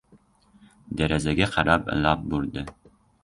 Derazaga qarab lab burdi.